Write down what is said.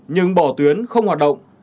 nhưng bỏ tuyến không hoạt động